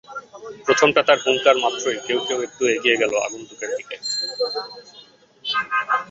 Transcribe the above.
প্রথমটা তার হুংকার মাত্রই কেউ কেউ একটু এগিয়ে গেল আগন্তুকের দিকে।